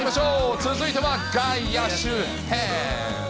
続いては外野手編。